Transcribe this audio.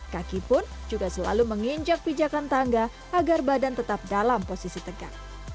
kaki pun juga selalu menginjak pijakan tangga agar badan tetap dalam posisi tegak